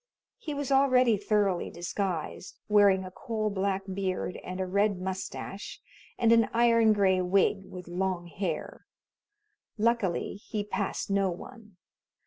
He was already thoroughly disguised, wearing a coal black beard and a red mustache and an iron gray wig with long hair. Luckily he passed no one.